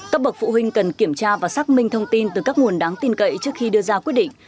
các bậc phụ huynh cần kiểm tra và xác minh thông tin từ các nguồn đáng tin cậy trước khi đưa ra quyết định